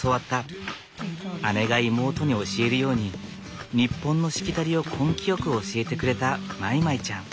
姉が妹に教えるように日本のしきたりを根気よく教えてくれたまいまいちゃん。